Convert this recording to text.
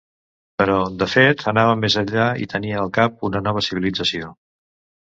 Però, de fet, anava més enllà i tenia al cap una nova civilització.